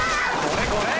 これこれ！